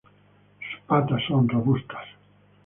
Sus patas son robustas.